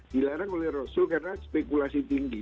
dilarang oleh rasul karena spekulasi tinggi